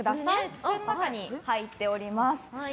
机の中に入っております。